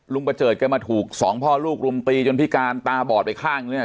ประเจิดแกมาถูกสองพ่อลูกรุมตีจนพิการตาบอดไปข้างเนี่ย